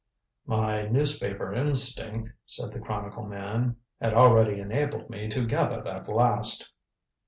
"My newspaper instinct," said the Chronicle man, "had already enabled me to gather that last."